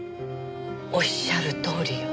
おっしゃるとおりよ。